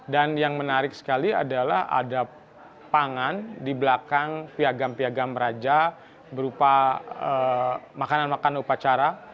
dan yang menarik sekali adalah ada pangan di belakang piagam piagam raja berupa makanan makanan upacara